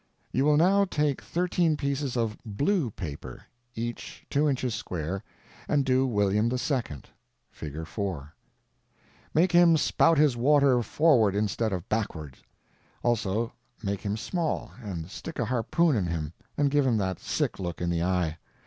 You will now take thirteen pieces of BLUE paper, each two inches square, and do William II. (Fig. 4.) Make him spout his water forward instead of backward; also make him small, and stick a harpoon in him and give him that sick look in the eye.